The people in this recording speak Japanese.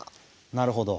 なるほど。